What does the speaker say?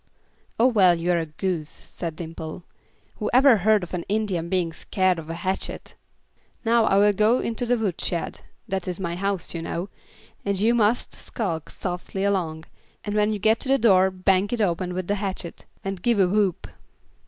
"Oh well, you are a goose," said Dimple. "Who ever heard of an Indian being scared at a hatchet? Now I will go into the woodshed that is my house, you know and you must skulk softly along, and when you get to the door bang it open with the hatchet, and give a whoop."